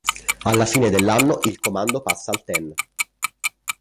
Alla fine dell'anno il comando passa al Ten.